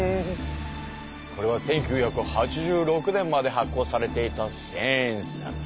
これは１９８６年まで発行されていた千円札！